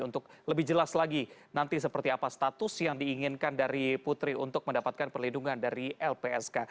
untuk lebih jelas lagi nanti seperti apa status yang diinginkan dari putri untuk mendapatkan perlindungan dari lpsk